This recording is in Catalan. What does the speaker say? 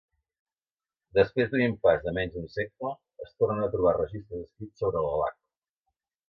Després d'un impàs de menys d'un segle, es tornen a trobar registres escrits sobre Alalakh.